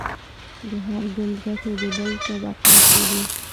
د هر ګوند ګټې د بل په بقا کې دي